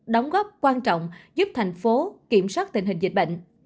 đóng góp quan trọng giúp thành phố kiểm soát tình hình dịch bệnh